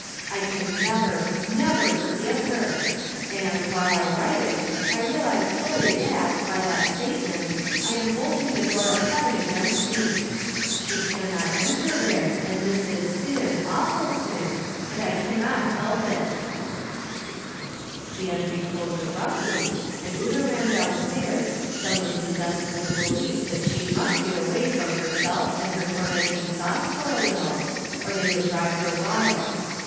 I can never, never forgive her; and, while I write it, I realize fully that, by that statement, I am bolting the door of heaven against me. She can not enter there, and this is sin, awful sin, and I can not help it. 252 From Different Standpoints. The entry closed abruptly, and Una ran down stairs, suddenly possessed 'uith the belief that she must get aAvay from herself and her tormenting thoughts for a little, or they would drive her wild.